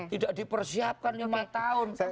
tidak dipersiapkan lima tahun